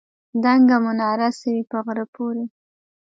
دنګه مناره څه وي په غره پورې.